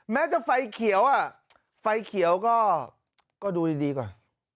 แม้จะไฟเขียวอ่ะไฟเขียวก็ดูดีก่อน